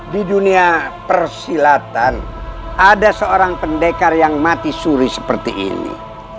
di dunia persilatan ada seorang pendekar yang mati suri seperti ini